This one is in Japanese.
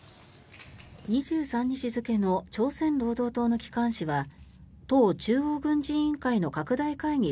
２３日付の朝鮮労働党の機関紙は党中央軍事委員会の拡大会議